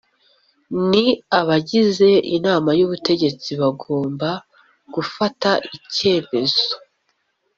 ni abagize inama y’ubutegetsi bagomba gufata icyemezo